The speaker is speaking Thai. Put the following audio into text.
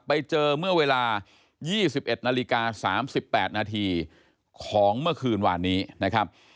ไปเจอเมื่อเวลา๒๑นาฬิกา๓๘นาทีของเมื่อคืนวานนี้นะครับ